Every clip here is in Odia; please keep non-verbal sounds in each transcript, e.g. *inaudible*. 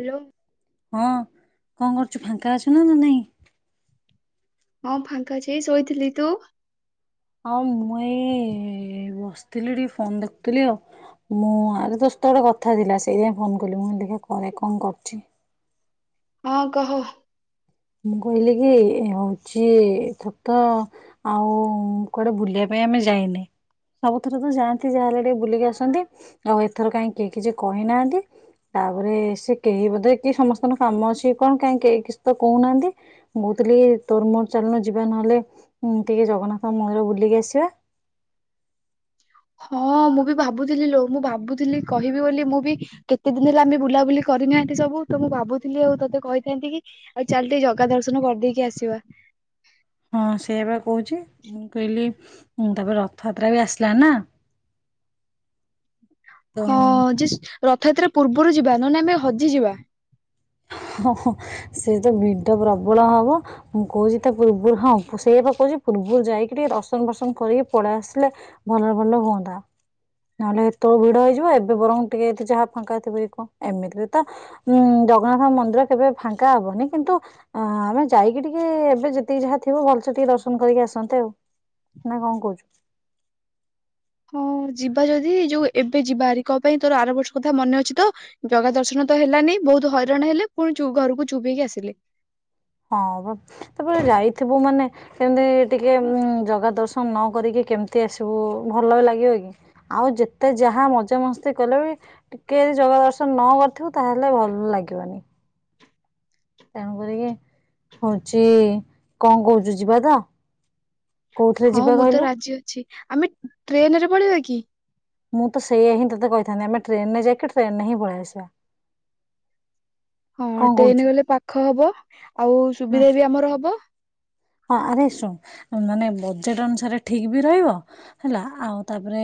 ହ୍ୟାଲୋ ହଁ କଣ କରୁଛୁ ଫାଙ୍କା ଅଛୁ ନା ନା ନାଇଁ। ହଁ ଫାଙ୍କା ଅଛି ଏଇ ଶୋଇଥିଲି ତୁ? ହଁ ମୁ ଏଇ ବଶ୍ ଥିଲି ଟିକେ ଫୋନ ଦେଖୁଥିଲି ଆଉ ମୁଁ ଆରେ ତୋ ସହିତ ଟିକେ କଥା ଥିଲା ସେଇଥିପାଇଁ ଫୋନ କଲି ମୁଁ କହିଲି ଦେଖିଆ କରେ କଣ ନାଇ କଣ କରୁଛି। ହଁ କହ? ମୁଁ କହିଲି କି ଏ ହଉଛି ଏଥ ତ ଆଉ କୁଆଡେ ବୁଲିବା ପାଇଁ ଆମେ ଯାଇନି ସବୁଥର ତ ଯାଆନ୍ତି ଯାହାହେଲେ ଟିକେ ବୁଲିକି ଆସନ୍ତି ଆଉ ଏଥର କାହିଁ କେହି କିଛି କହିନାହାନ୍ତି ତାପରେ ସେ କେହି ବୋଧେ କି ସମସ୍ତଙ୍କର କାମ ଅଛି କଣ କାହିଁ କେହି କିଛି ତ କହୁନାହାନ୍ତି କହୁଥିଲି ତୋରମୋର ଚାଲୁନୁ ଯିବା ନହେଲେ ଟିକେ ଜଗନ୍ନାଥ ମନ୍ଦିର ବୁଲିକି ଆସିବା। ହଁ ମୁଁ ବି ଭାବୁଥିଲି ଲୋ ମୁଁ ଭାବୁଥିଲି କହିବି ବୋଲି ମୁଁ ବି କେତେ ଦିନ ହେଲା ଆମେ ବୁଲାବୁଲି କରିନାହାନ୍ତି ସବୁ ତ ମୁଁ ଭାବୁଥିଲି ଆଉ ତୋତେ କହିଥାନ୍ତି କି ଆଉ ଚାଲ ଟିକେ ଜଗା ଦର୍ଶନ କରିଦେଇକି ଆସିବା। ହୁଁ ତାପରେ ରଥଯାତ୍ରା ବି ଆସିଲା ନା ତ ହଁ ଯେ ରଥଯାତ୍ରା ପୂର୍ବରୁ ଯିବା ନଲେ ଆମେ ହଜିଯିବା ହହଁ ସେ ତ ଭିଡ ପ୍ରବଳ ହବ ମୁଁ କହୁଛି ତା ପୂର୍ବରୁ ହଁ ସେଇ ପା କହୁଛି ପୂର୍ବରୁ ଯାଇକି ଟିକେ ଦର୍ଶନ ବର୍ଶନ କରିକି ପଳେଇ ଆସିଲେ ଭଲରେ ଭଲ ହୁଅନ୍ତା ନହେଲେ ହେତେବେଳକୁ ଭିଡ ହେଇଯିବ ଏବେ ବରଂ ଟିକେ ଏ ଯାହା ଫାଙ୍କା ଥିବ କଣ ଏମିତିରେ ତ ଉଁ ଜଗନ୍ନାଥ ହଁ ମନ୍ଦିର କେବେ ଫାଙ୍କା ହବନି କିନ୍ତୁ ଅ ଆମେ ଯାଇକି ଟିକେ ଏବେ ଯେତିକି ଯାହା ଥିବ ଭଲସେ ଟିକେ ଦର୍ଶନ କରିକି ଆସନ୍ତେ ଆଉ ନା କଣ କହୁଛୁ। ହୁଁ ଯିବା ଯଦି ଯୋଉ ଏବେ ଯିବା ବାରି କ ପାଇଁ ତୋର ଆର ବର୍ଷ କଥା ମନେ ଅଛି ତ ଜଗା ଦର୍ଶନ ତ ହେଲାନି ବହୁତ ହଇରାଣ ହେଲେ ପୁଣି ଘରକୁ ଚୁପ୍ ହେଇକି ଆସିଲେ। ହଁ ବା ତାପରେ ଯାଇଥିବୁ ମାନେ କେମିତି ଟିକେ ଜଗା ଦର୍ଶନ ନ କରିକି କେମିତି ଆସିବୁ ଭଲ ବି ଲାଗିବ କି ଆଉ ଯେତେ ଯାହା ମଜା ମସ୍ତି କଲେ ବି ଟିକେ ଜଗା ଦର୍ଶନ ନ କରିଥିବୁ ତାହେଲେ ଭଲ ଲାଗିବନି। ତେଣୁ କରିକି ହଉଛି କଣ କହୁଛୁ ଯିବା ତ କୋଉଥିରେ ହଁ ଯିବା ମୁଁ ତ କହିଲୁ? ରାଜି ଅଛି ଆମେ ଟ୍ରେନ ରେ ପଳେଇିବା କି? ମୁଁ ତ ସେଇଆ ହିଁ ତୋତେ କହିଥାନ୍ତି ଆମେ ଟ୍ରେନରେ ଯାଇକି ଟ୍ରେନରେ ହିଁ ପଳେଇ ଆସିବା। ହଁ କଣ ଟ୍ରେନ୍ କହୁଛୁ? ଗଲେ ପାଖ ହବ ଆଉ ସୁବିଧା ବି ଆମର ହବ। ହଁ ଆରେ ଶୁଣ ମାନେ ବଜେଟ ଅନୁସାରେ ଠିକ ବି ରହିବ ହେଲା ଆଉ ତାପରେ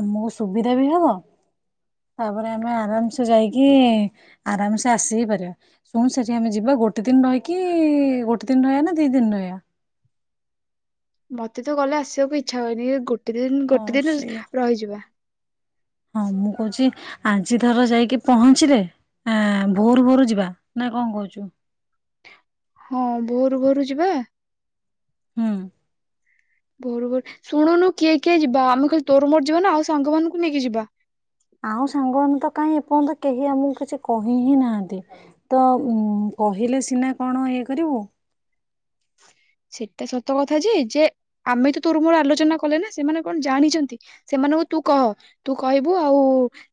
ଆମକୁ ସୁବିଧା ବି ହବ ତାପରେ ଆମେ ଆରାମସେ ଯାଇକି ଆରାମସେ ଆସିି ପାରିବା ଶୁଣ ସେଠି ଆମେ ଯିବା ଗୋଟେ ଦିନ ରହିକି ଗୋଟେ ଦିନ ରହିବା ନା ଦି ଦିନ ରହିବା। ମତେ ତ ଗଲେ ଆସିବାକୁ ଇଚ୍ଛା ହୁଏନି ଗୋଟେ। ଗୋଟେ ଦିନ ଗୋଟେ ହଁ ଦିନ ସେଇଆ ରହିଯିବା। ହଁ ମୁଁ କହୁଛି। ଆଜି ଥର ଯାଇକି ପହଞ୍ଚିଲେ ଭୋରୁ ଭୋରୁ ଯିବା ନା କଣ କହୁଛୁ? ହଁ ଭୋରୁ ଭୋରୁ ଯିବା। ହୁଁ ଭୋରୁ ଭୋରୁ ଶୁଣୁନୁ କିଏ କିଏ ଯିବା ଆମେ ଖାଲି ତୋର ମୋର୍ ଯିବା ନା ଆଉ ସାଙ୍ଗମାନାନଙ୍କୁ ନେଇକି ଯିବା। ଆଉ ସାଙ୍ଗ ଆନେତ କାଇଁ କଣ ତ କେହି ଆମକୁ କିଛି କହି ହିଁ ନାହାନ୍ତି ତ ଉ କହିଲେ ସିନା କଣ ଇଏ କରିବୁ। *inaudible* ସେଟା ସତ କଥା ଯେ ଯେ ଆମେ ତ ତୋର ମୋର ଆଲୋଚନା କଲେ ନା ସେମାନେ କଣ ଜାଣିଛନ୍ତି ସେମାନଙ୍କୁ ତୁ କହ ତୁ କହିବୁ ଆଉ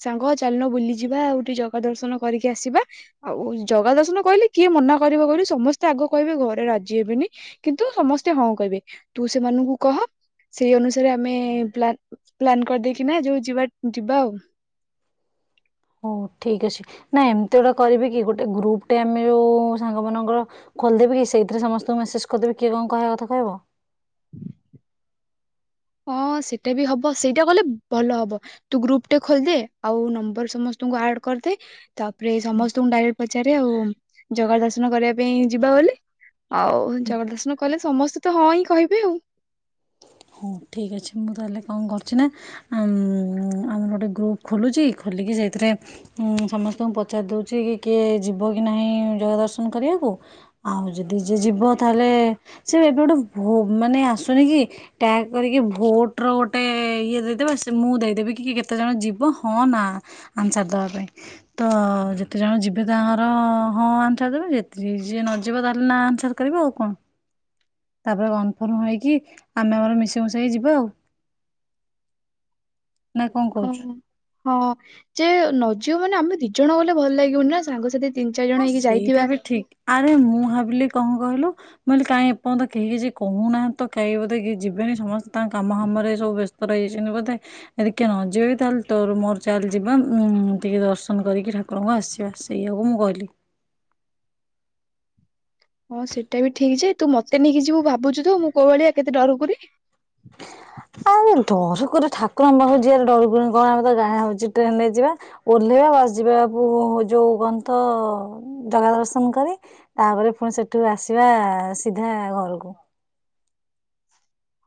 ସାଙ୍ଗ ଚାଲଣ ବୁଲିଯିବା ଆଉ ଟିକେ ଜଗା ଦର୍ଶନ କରିକି ଆସିବା ଆଉ ଜଗା ଦର୍ଶନ କହିଲେ କିଏ ମନା କରିବ କହିଲୁ ସମସ୍ତେ ଆଗ କହିବେ ଘରେ ରାଜି ହେବେନି। କିନ୍ତୁ ସମସ୍ତେ ହଁ କହିବେ ତୁ ସେମାନଙ୍କୁ କହ ସେଇ ଅନୁସାରେ ଆମେ ପ୍ଲାନ କରିଦେଇକିନା ଯୋଉ ଯିବା ଯିବା ଆଉ। ହଉ ଠିକ ଅଛି ନା ଏମତି ଗୋଟେ କରିବି କି ଗୋଟେ ଗ୍ରୁପ ଟେ ଆମେ ଯୋଉ ସାଙ୍ଗ ମାନଙ୍କର ଖୋଲିଦେବ କି ସେଇଥିରେ ସମସ୍ତଙ୍କୁ ମେସେଜ କରିଦେବି କିଏ କଣ କହିବା କଥା କହିବ। ହଁ ସେଇଟା ବି ହବ ସେଇଟା କଲେ ଭଲ ହବ ତୁ ଗ୍ରୁପ ଟା ଖୋଲିଦେ ଆଉ ନମ୍ବର ସମସ୍ତଙ୍କୁ ଆଡ କରିଦେ ତାପରେ ସମସ୍ତଙ୍କୁ ଡାଇକ୍ଟ ପଚାରେ ଆଉ ଜଗ ଦର୍ଶନ କରିବା ପାଇଁ ଯିବା ବୋଲି ଆଉ ଜଗ ଦର୍ଶନ କଲେ ସମସ୍ତେ ତ ହଁ ହିଁ କହିବେ ଆଉ। ହଁ ଠିକ ଅଛି ମୁଁ ତାହେଲେ କଣ କରୁଛି ନା ଆମର ଗୋଟେ ଗ୍ରୁପ ଖୋଲୁଛି ଖୋଲିକି ସେଇଥିରେ ସମସ୍ତଙ୍କୁ ପଚାରି ଦଉଛି କି କିଏ ଯିବ କି ନାହିଁ ଜଗା ଦର୍ଶନ କରିବାକୁ ଆଉ ଯଦି ଯିଏ ଯିବ ତାହେଲେ ସ ଏବେ ଗୋଟେ ମାନେ ଆସୁନି କି? ଟ୍ୟାଗ କରିକି ଭୋଟ ର ଗୋଟେ ଇଏ ଦେଇଦେବେ ସେ ମୁଁ ଦେଇଦେବି କି କେତେ ଜଣ ଯିବ ହଁ ନା ଆନ୍ସର ଦେବା ପାଇଁ ତ ଯେତେ ଜଣ ଯିବେ ତାଙ୍କର ହଁ ଆନ୍ସର ଦେବେ ଯେତିକି ଯିଏ ନ ଯିବ ତାହେଲେ ନା ଆନ୍ସର କରିବେ ଆଉ କଣ? ତାପରେ କନଫର୍ମ ହେଇକି ଆମେ ଆମର ମିଶେଇ ମିଶେଇକି ଯିବା ଆଉ। *inaudible* କଣ ହଁ କହୁଛୁ? ହଁ ଯେ ନ ଝିଅ ମାନ ଆମେ ଦି ଜଣ ଗଲେ ଭଲ ଲାଗିବନ ନା ସାଙ୍ଗସାଥି ତିନି ଚାରି ଜଣ ହଁ ହେଇକି ସେଇଟା ଯାଇଥିବା ବି ଠିକ ଆରେ ମୁଁ ଭାବିଲି କଣ କହିଲୁ। ମୁଁହିଲି କାହିଁ ଏପର୍ଯ୍ୟନ୍ତ କେହି କିଛି କହୁନାହାନ୍ତି ତ କାଇହି ବୋଧେ କି ଯିବେନି ସମସ୍ତେ ତାଙ୍କ କାମ କାମରେ ସବୁ ବ୍ୟସ୍ତ ରହିାଇଛନ୍ତି ବୋଧେ ଟିକେ ନ ଯିବେ ତାହେଲେ ତୋ ମୋର ଚାଲଲେ ଯିବା ଉ ଟିକେ ଦର୍ଶନ କରିକି ଠାକୁରଙ୍କୁ ଆସିବା ସେଇଆକୁ ମୁଁ କହିଥିଲି। *inaudible* ହଁ ସେଇଟା ବି ଠିକ ଯେ ତୁ ମତେ ନେଇକି ଯିବୁ ଭାବୁଛୁ ତ ମୁଁ କୋଉ ଭଳିଆ କେତେ ଡରୁକୁରି। ଆଉ ଡର ରେ ଠାକୁର ଆମ ହଉ ଯ ଡରଗୁଣି କଣ ଆମେ ତ ଗାଁ ହଉଛି ଟ୍ରେନ ରେ ଯିବା ଓହ୍ଲେଇବା ବସ ଯିବା ଯୋଉ କ ତ ଜଗା ଦର୍ଶନ କରି ତାପରେ ପୁଣି ସେଠୁ ଆସିବା ସିଧା ଘରକୁ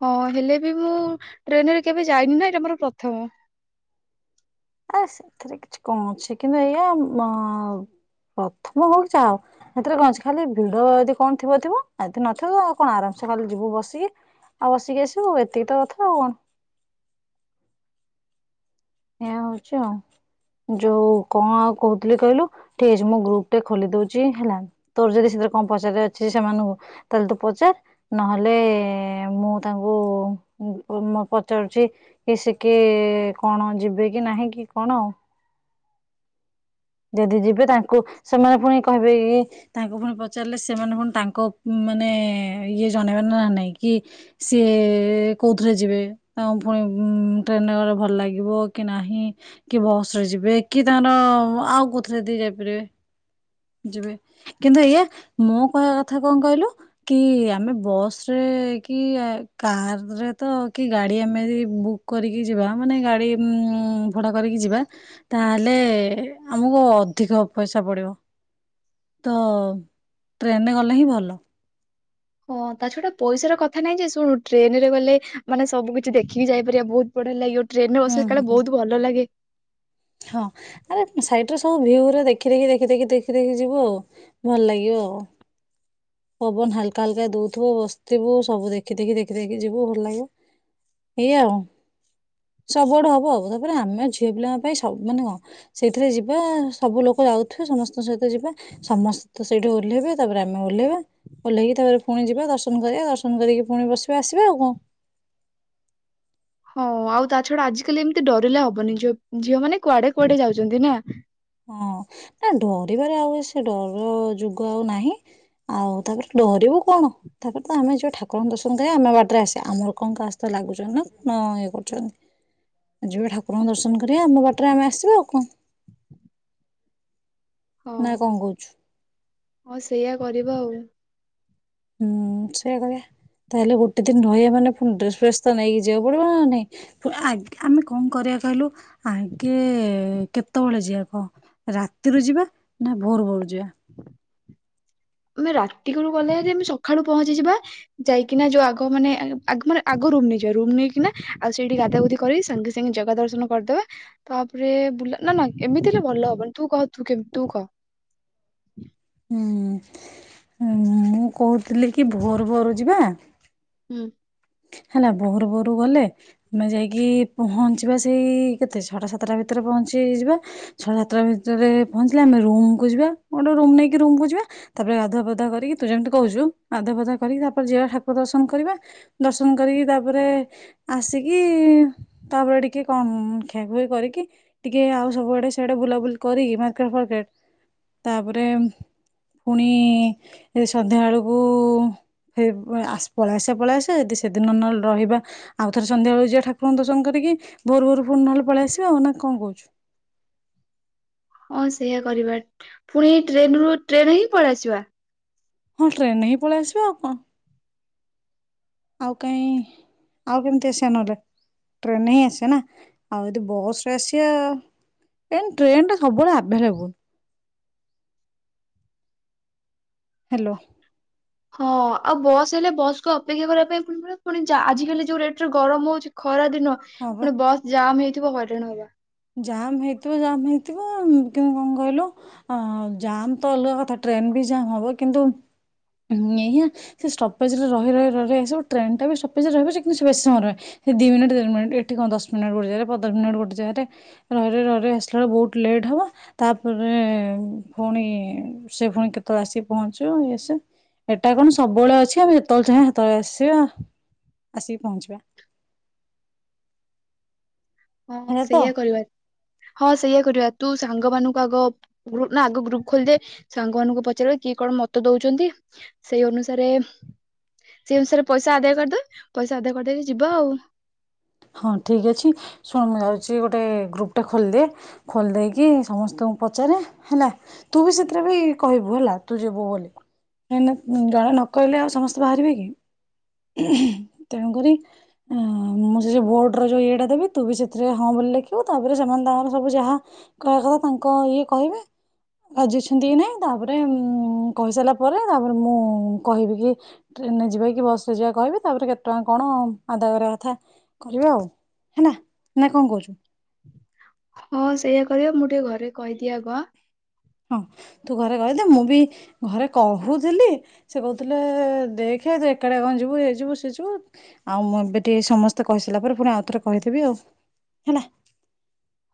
ହଁ ହେଲେ ବି ମୁଁ ଟ୍ରେନରେ କେବେ ଯାଇନି ନା ଏଇଟା ମୋର ପ୍ରଥମ ଆରେ ସେଥିରେ କିଛି କଣ ଅଛି କିନ୍ତୁ ଏଇଆ ପ୍ରଥମ ହଉ କି ଚାଉ ସେଥିରେ କଣ ଅଛି ଖାଲି ଭିଡ ଯଦି କଣ ଥିବ ଥିବ ଏଦ ନଥିବ ଆଉ କଣ ଆରାମସେ ଖାଲି ଯିବୁ ବସିକି ଆଉ ବସିକି ଆସିବୁ ଏତିକି ତ କଥା ଆଉ କଣ? ଏଇଆ ହଉଛି ଆଉ ଯୋଉ କଣ ଆଉ କହୁଥିଲି କହିଲୁ ଠିକ ଅଛି ମୁଁ ଗ୍ରୁପ ଟେ ଖୋଲି ଦଉଛି ହେଲା ତୋର ଯଦି ସେଥିରେ କଣ ପଚାର ଅଛି ସେମାନଙ୍କୁ ତାହେଲେ ତୁ ପଚାର ନହେଲେ ମୁଁ ତାଙ୍କୁ ପଚାରୁଛି କି ସେ କି କଣ? ଯିବେ କି ନାହିଁ କି କଣ ଆଉ ଯଦି ଯିବେ ତା କୁ ସେମାନେ ଫୁଣି କହିବେ କି ତାଙ୍କୁ ଫୁଣି ପଚାରଲେ ସେମାନେ ଫୁଣି ତାଙ୍କ ମାନେ ଇଏ ଜଣେଇବେ ନାଁ ନାଇଁ କି ସିଏ କୋଉଥିରେ ଯିବେ ତାଙ୍କୁ ଫୁଣି ଉଁ ଟ୍ରେନରେ ଗଲେ ଭଲ ଲାଗିବ କି ନାହିଁ କି ବସରେ ଯିବେ କି ତାଙ୍କର ଆଉ କୋଉଥିରେ ଯଦି ଯାଇପାରିବେ ଯିବେ କିନ୍ତୁ ଏଇଆ ମୋ କହିବା କଥା କଁ କହିଲୁ କି ଆମେ ବସରେ କି ଆ କାରରେ ତ କି ଗାଡି ଆମେ ଏଦି ବୁକ୍ କରିକି ଯିବା ମାନେ ଗାଡ଼ି ଉଁ ଭଡ଼ା କରିକି ଯିବା ତାହେଲେ ଆମୁକୁ ଅଧିକ ପଇସା ପଡ଼ିବ। ତ ଟ୍ରେନରେ ଗଲେ ହିଁ ଭଲ। ହଁ ତା ଛଡା ପଇସାର କଥା ନାଇଁ ଯେ ଶୁଣୁ ଟ୍ରେନରେ ଗଲେ ମାନେ ସବୁ କିଛି ଦେଖିକି ଯାଇପାରିବା ବୋହୁତ ବଢ଼ିଆ ଲାଗିବ। ଟ୍ରେନରେ ହୁଁ ବସିଲେ କାଳେ ହୁଁ ବୋହୁତ ଭଲ ଲାଗେ। ହଁ ଆରେ ସାଇଟରେ ସବୁ ଭିଉଉରା ଦେଖି ଦେଖି ଦେଖି ଦେଖି ଦେଖି ଦେଖି ଯିବୁ ଆଉ ଭଲ ଲାଗିବ ଆଉ। ପବନ ହାଲକା ହାଲକା ଦୋଉଥୁବୁ ବସିଥିବୁ। ସବୁ ଦେଖି ଦେଖି ଦେଖି ଦେଖି ଯିବୁ ଭଲ ଲାଗିବ ଏଇଆ ଆଉ ସବୁଆଡୁ ହବ ଆଉ। ତାପରେ ଆମେ ଝିଅ ପିଲାଙ୍କ ପାଇଁ ସଉ ମାନେ କଁ ସେଇଥିରେ ଯିବା ସବୁ ଲୋକ ଯାଉଥୁବେ ସମସ୍ତଙ୍କ ସହିତ ଯିବା। ସମସ୍ତେ ସେଇଠି ଓହ୍ଲେଇବେ ତାପରେ ଆମେ ଓହ୍ଲେଇବା ଓହ୍ଲେଇକି ତାପରେ ଫୁଣି ଯିବା ଦର୍ଶନ କରିବା ଦର୍ଶନ କରିକି ଫୁଣି ବସିବା ଆସିବା। ଆଉ କଁ? ହଁ ଆଉ ତା ଛୂଡା ଆଜି କାଲି ଏମତି ଡରିଲେ ହବନି ଝିଅ ଝିଅମାନେ କୁଆଡ଼େ କୁଆଡ଼େ ଯାଉଚନ୍ତି ନାଁ। ହଁ ନାଁ ଡରିବାରେ ଆଉ ଏ ସେ ଡର ଯୁଗ ଆଉ ନାହିଁ ଆଉ ତାପରେ ଡରିବୁ କଣ ତାପରେ ତ ଆମେ ଯିବା ଠାକୁରଙ୍କ ଦର୍ଶନ କରିବା ଆମେ ବାଟରେ ଆସିବା। ଆମର କଁ କା ସଇତ ଲାଗୁଚନ୍ତି ନାଁ କଣ ଇଏ କରୁଚନ୍ତି। ଆ ଯିବେ ଠାକୁରଙ୍କ ଦର୍ଶନ କରିବା ଆମ ବାଟରେ ଆମେ ଆସିବା ଆଉ କଁ। ହଁ ନା କଣ କହୁଛୁ? ହଁ ସେଇଆ କରିବା ଆଉ। ହୁଁ ସେଇଆ କରିବା। ତାହେଲେ ଗୋଟେ ଦିନ ରହିବା ମାନେ ଫୁଣି ଡ୍ରେସ ଫ୍ରେସ୍ ତ ନେଇକି ଯିବାକୁ ପଡ଼ିବ ନାଁ ନାଇଁ ଫୁ ଆ ଆମେ କଁ କରିବା କହିଲୁ ଆଗେ କେତୋଳେ ଯିବା କହ ରାତିରୁ ଯିବା ନାଁ ଭୋରୁ ଭୋରୁ ଯିବା? *inaudible* ଆମେ ରାତିକୁରୁ ଗଲେ ହାରି ଆମେ ସଖାଳୁ ପହଞ୍ଚିଯିବା ଯାଇକିନା ଯୋଉ ଆଗ ମାନେ ଆଗେ ଆଗ ମାନେ ଆଗ ରୁମ ନେଇଯିବା ରୁମ ନେଇକିନା ଆଉ ସେଇଠି ଗାଧା ଗୁଧି କରି ସାଙ୍ଗେ ସାଙ୍ଗେ ଜାଗା ଦର୍ଶନ କରିଦବା। ତାପରେ ବୁଲା ନାଁ ନାଁ ଏମିତି ହେଲେ ଭଲ ହବନି ତୁ କହ ତୁ କେମ ତୁ କହ। ହୁଁ। ହୁଁ ମୁଁ କୋହୁ ଥିଲି କି ଭୋର ଭୋରୁ ଯିବା। ହୁଁ। ହେଲା ବୋହର ବୋହରୁ ଗଲେ ଆମେ ଯାଇକି ପହଞ୍ଚିବା ସେଇ କେତେ ଛଅଟା ସାତଟା ଭିତରେ ପହଞ୍ଚିଯିବା ଛଅଟା ସାତଟା ଭିତରେ ପହଞ୍ଚିଲେ ଆମେ ରୁମକୁ ଯିବା ଗୋଟେ ରୁମ ନେଇକି ରୁମକୁ ଯିବା। ତାପରେ ଆଧୁଆ ପାଧୁଆ କରିକି ତୁ ଯେମତି କହୁଚୁ ଆଧୁଆ ପାଧୁଆ କରିକି ତାପରେ ଯିବା ଠାକୁର ଦର୍ଶନ କରିବା। ଦର୍ଶ ତୁଂ କରିକି ତାପରେ ଆସିକି ତାପରେ ଟିକେ କଣ ଖିଆଖୁଇ କରିକି ଟିକେ ଆଉ ସବୁଆଡେ ସିଆଡେ ବୁଲାବୁଲି କରିକି ମାର୍କେଟ ଫାର୍କେଟ ତାପରେ ପୁଣି ସନ୍ଧ୍ୟା ଅଳୁକୁ ଫେ ପଳଆସିଆ ପଳଆସିଆ ଯଦି ସେଦିନ ନହେଲେ ରହିବା ଆଉ ଥରେ ସନ୍ଧ୍ୟା ବେଳୁ ଯିବା। ଠାକୁରଙ୍କୁ ଦର୍ଶନ କରିକି ଭୋରୁ ଭୋରୁ ପୁଣି ନହେଲେ ପଳେଇ ଆସିବା ଆଉ ନାଁ କଁ କହୁଚୁ? ହଁ ସେଇଆ କରିବା ଫୁଣି ଟ୍ରେନରୁ ଟ୍ରେନ ହିଁ ପଳେଇଆସିବା। ହଁ ଟ୍ରେନରେ ହିଁ ପଳେଇ ଆସିବା ଆଉ କଣ। ଆଉ କାଇଁ ଆଉ କେମିତି ଆସିବା ନହେଲେ ଟ୍ରେନରେ ହିଁ ଆସିବା ନାଁ। ଆଉ ଯଦି ବସ୍ ରେ ଆସିବା ଏ ଟ୍ରେନଟା ସବୁବେଳେ ଆଭେଲେବୁଲ। ହାଲୋ। ହଁ ଆଉ ବସ୍ ହେଲେ ବସକୁ ଅପେକ୍ଷା କରିବା ପାଇଁ ଫୁଣି ପଡିବ ଫୁଣି ଆଜିକାଲି ଯୋଉ ରେଟରେ ଗରମ ହୋଉଚି ଖରା ଦିନ ହଁ ବା ଫୁଣି ବସ୍ ଜାମ୍ ହେଇ ଥିବ ହଇରାଣ ହବା। ଜାମ୍ ହେଇଥିବ ଜାମ୍ ହେଇଥିବ କିନ୍ତୁ କଣ କହିଲୁ ଅଁ ଜାମ୍ ତ ଅଲଗା କଥା ଟ୍ରେନ୍ ବି ଜାମ୍ ହବ କିନ୍ତୁ ଉଁ ଏହି ସେ ଷ୍ଟପେଜରେ ରହି ରହିି ରହି ଆସିବ ସେ ଟ୍ରେନଟା ବି ଷ୍ଟପେଜରେ ରହିବ ଯେ କିନ୍ତୁ ସେ ବେଶୀ ସମୟ ରହିବ ସେ ଦି ମିନିଟ୍ ଦେଢ଼ ମିନିଟ୍ ଏଠି କଣ ଦଶ ମିନିଟ ଗୋଟେଜାଗାରେ ପନ୍ଦର ମିନିଟ୍ ଗୋଟେ ଜାଗାରେ ରହି ରହି ରହି ରହି ଆସିଲା ଓଳୁ ବୋହୁତ ଲେଟ ହବ ତାପରେ ଫୁଣି ସେ ଫୁଣି କେତୋଳେ ଆସିକି ପହଞ୍ଚିବ ଇଏ ସିଏ। ଏଟା କଣ ସବୁବେଳେ ଅଛି ଆମେ ଯେତେବେଳେ ଚାହିଁବା ସେତେବେଳେ ଆସିବା ଆସିକି ପହଞ୍ଚିବା। ହଁ ହେଲା ତ ସେଇଆ କରିବା ହଁ ସେଇଆ କରିବା। ତୁ ସାଙ୍ଗମାନାନଙ୍କୁ ଆଗ ଗ୍ରୁ ନାଁ ଆଗ ଗ୍ରୁପ ଖୋଲିଦେ ସାଙ୍ଗମାନଙ୍କୁ ପଚାରିବା କିଏ କଣ ମତ ଦୋଉଚନ୍ତି ସେଇ ଅନୁସାରେ ସେଇ ଅନୁସାରେ ପଇସା ଆଦାୟ କରିଦବା ପଇସା ଆଦାୟ କରିଦେଇକି ଯିବା ଆଉ। ହଁ ଠିକ ଅଛି ଶୁଣ ମୁଁ ଯାଉଚି ଗୋଟେ ଗ୍ରୁପଟେ ଖୋଲିଦିଏ ଖୋଲି ଦେଇକି ସମସ୍ତଙ୍କୁ ପଚାରେ ହେଲା ତୁ ବି ସେଥିରେ ବି କହିବୁ ହେଲା ତୁ ଯିବୁ ବୋଲି। କାହିଁ ନାଁ ଜଣେ ନ କହିଲେ ଆଉ ସମସ୍ତେ ବାହାରିବେ କି? ତେଣୁକରି ଉଁ ମୁଁ ଯେ ଭୋଟର ଯୋଉ ଇଏଟା ଦେବି ତୁ ବି ସେଥିରେ ହଁ ବୋଲି ଲେଖିବୁ ତାପରେ ସେମାନେ ତାଙ୍କର ସବୁ ଯାହା କହିବା କଥା ତାଙ୍କ ଇଏ କହିବେ ରାଜି ଅଛନ୍ତି କି ନାହିଁ ତାପରେ ଉଁ କହି ସାରିଲା ପରେ ତାପରେ ମୁଁ କହିବି କି ଟ୍ରେନରେ ଯିବା କି ବସରେ ଯିବା କହିବି। ତାପରେ କେତେ ଟଙ୍କା କଣ ଆଦାୟ କରିବା କଥା କରିବା ଆଉ। ହେନା ନାଁ କଣ କହୁଚୁ? ହଁ ସେଇଆ କରିବା ମୁଁ ଟିକେ ଘରେ କହିଦିଏ ଆଗୁଆ ଆଁ। ହଁ ତୁ ଘରେ କହଦେ ମୁଁ ବି ଘରେ କହୁଥିଲି ସେ କଉଥୁଲେ ଦେଖେ ତୁ ଏକାଟିଆ କଣ ଯିବୁ ଇଏ ଯିବୁ ସିଏ ଯିବୁ। ଆଉ ମୁଁ ଏବେ ଟିକେ ସମସ୍ତେ କହି ସାରିଲା ପରେ ଫୁଣି ଆଉ ଥରେ କହିଦେବି ଆଉ ହେଲା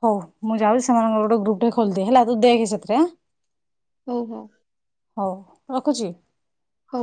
ହୋଉ ମୁଁ ଯାଉଚି ସେମାନଙ୍କର ଗୋଟେ ଗ୍ରୁପଟେ ଖୋଲିଦିଏ ହେଲା ତୁ ଦେଖ ସେ ତ୍ରେ ହୋଉ ହଉ। ହଉ ରଖୁଚି। ହଉ।